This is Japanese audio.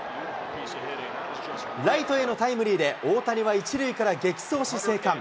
ライトへのタイムリーで、大谷は１塁から激走し生還。